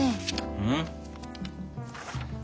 うん？